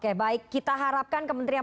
oke baik kita harapkan kementerian